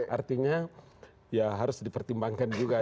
artinya ya harus dipertimbangkan juga